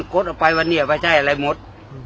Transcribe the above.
กดเอาไปวันนี้ไปจ่ายอะไรหมด